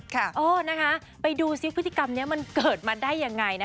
เออนะคะไปดูซิพฤติกรรมนี้มันเกิดมาได้ยังไงนะ